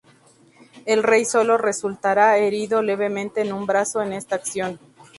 El rey sólo resultará herido levemente en un brazo en esta acción.